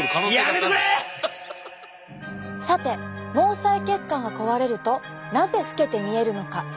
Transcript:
さて毛細血管が壊れるとなぜ老けて見えるのか？